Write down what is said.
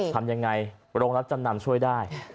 ทำยังไงโรงรับจำนำช่วยได้